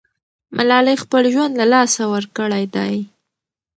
ملالۍ خپل ژوند له لاسه ورکړی دی.